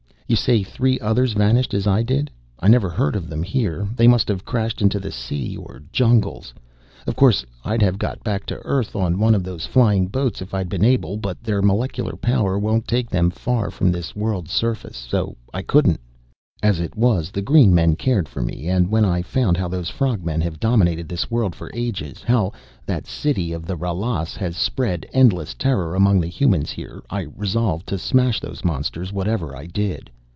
You say three others vanished as I did? I never heard of them here; they must have crashed into the sea or jungles. Of course, I'd have got back to Earth on one of these flying boats if I'd been able, but their molecular power won't take them far from this world's surface, so I couldn't. "As it was, the green men cared for me, and when I found how those frog men have dominated this world for ages, how that city of the Ralas has spread endless terror among the humans here, I resolved to smash those monsters whatever I did.